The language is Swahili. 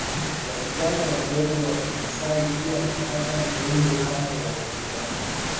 Wasichana wadogo wa kimaasai pia hufata muundo kama wa wavulana